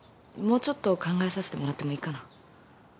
もうちょっと考えさせてもらってもいいかな？